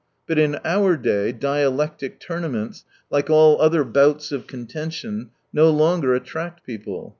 But in our day dialectic tournaments, like all other bouts of contention, no longer attract people.